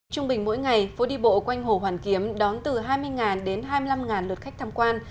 trung bình mỗi ngày phố đi bộ quanh hồ hoàn kiếm đón từ hai mươi đến hai mươi năm lượt khách tham quan